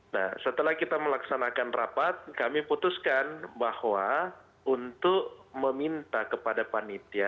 nah setelah kita melaksanakan rapat kami putuskan bahwa untuk meminta kepada panitia